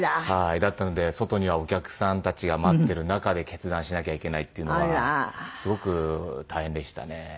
あら！だったので外にはお客さんたちが待ってる中で決断しなきゃいけないっていうのがすごく大変でしたね。